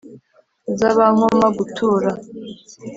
Zabankoma gutura,